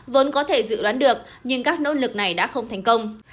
vốn có thể dự đoán được nhưng các nỗ lực này đã không thành công